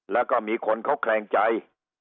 แล้วก็มีคนเขาแคลงใจ